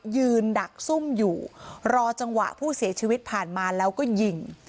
ดักซุ่มอยู่รอจังหวะผู้เสียชีวิตผ่านมาแล้วก็ยิง